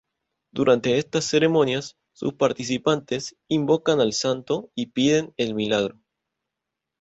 Durante estas ceremonias sus participantes invocan al santo y piden el milagro.